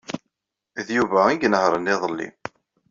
D Yuba ay inehṛen iḍelli.